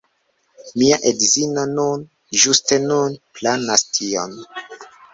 Mia edzino nun, ĝuste nun, planas tion.